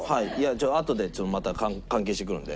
あとでまた関係してくるんで。